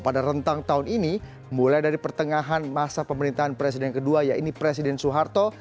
pada rentang tahun ini mulai dari pertengahan masa pemerintahan presiden kedua ya ini presiden soeharto